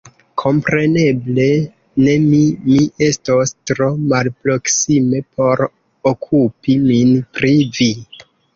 Kompreneble ne mi ; mi estos tro malproksime por okupi min pri vi.